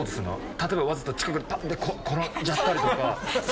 例えばわざと近くで転んじゃったりとか。